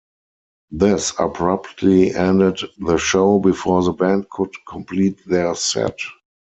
This abruptly ended the show before the band could complete their set.